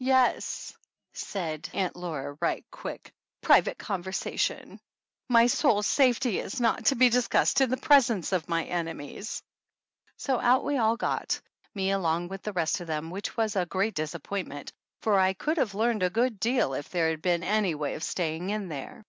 "Yes," said Aunt Laura right quick, "private conversation. My soul's safety is not to be dis cussed in the presence of my enemies !" So out we all got, me along with the rest of them, which was a great disappointment, for I could have learned a good deal if there had been any way of staying in there.